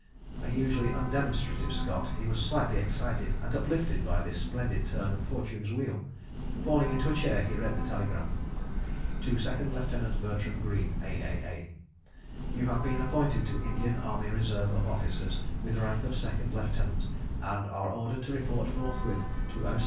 A usually undemonstrative Scot, he was slightly excited and uplifted by this splendid turn of Fortune's wheel. Falling into a chair, he read the telegram: To Second Lieutenant Bertram Greene, A.A.A. You have been appointed to Indian Army Reserve of Officers with rank of Second Lieutenant, _and are ordered to report forthwith to O.